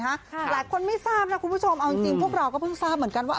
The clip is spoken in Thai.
หลายคนไม่ทราบนะคุณผู้ชมเอาจริงพวกเราก็เพิ่งทราบเหมือนกันว่า